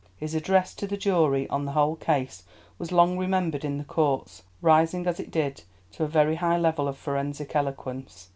His address to the jury on the whole case was long remembered in the courts, rising as it did to a very high level of forensic eloquence.